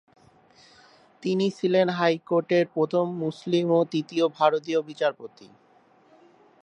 তিনি ছিলেন হাইকোর্টের প্রথম মুসলিম ও তৃতীয় ভারতীয় বিচারপতি।